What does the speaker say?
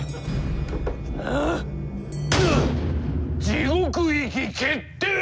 地獄行き決定！